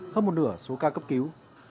hơn một nửa số ca cấp cứu